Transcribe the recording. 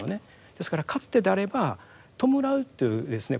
ですからかつてであれば弔うっていうですね